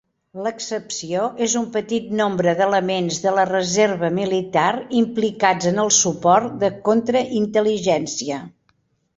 L'excepció és un petit nombre de elements de la reserva militar implicats en el suport de contra-intel·ligència.